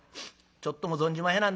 ちょっとも存じまへなんだ。